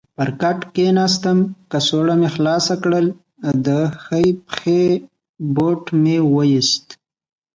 پر کټ کېناستم، کڅوړه مې خلاصه کړل، د ښۍ پښې بوټ مې وایست.